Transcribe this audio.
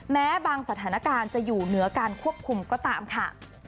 แม้บางสถานการณ์จะอยู่เหนือการควบคุมก็ตามค่ะ